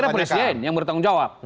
saya kira presiden yang bertanggung jawab